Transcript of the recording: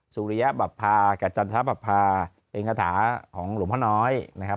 สุริยบรรพากับจันทรัพย์บรรพาเองกฐาของหลุมพ่อน้อยนะครับ